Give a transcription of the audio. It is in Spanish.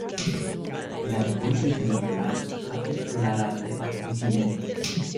El Aeropuerto Internacional Jacinto Lara de Barquisimeto.